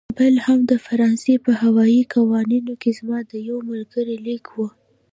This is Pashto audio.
بل هم د فرانسې په هوايي قواوو کې زما د یوه ملګري لیک و.